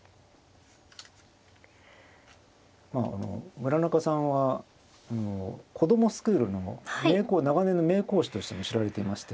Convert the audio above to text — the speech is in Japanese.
村中さんは子供スクールの長年の名コーチとしても知られていまして。